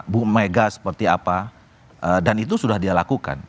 bu mega seperti apa dan itu sudah dia lakukan